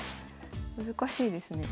難しいですね。